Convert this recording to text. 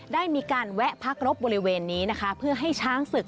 ได้มีการแวะพักรบบริเวณนี้นะคะเพื่อให้ช้างศึก